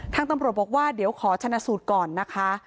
ทางตำรวจบอกว่าเดี๋ยวขอชนะสูตรก่อนนะคะ